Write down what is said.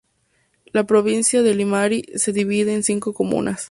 La provincia de Limarí se divide en cinco comunas.